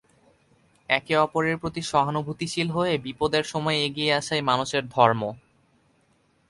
একে অপরের প্রতি সহানুভূতিশীল হয়ে বিপদের সময় এগিয়ে আসাই মানুষের ধর্ম।